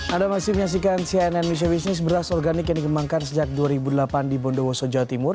anda masih menyaksikan cnn indonesia business beras organik yang dikembangkan sejak dua ribu delapan di bondowoso jawa timur